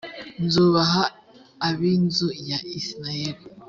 nzubaha ab’inzu ya isirayeli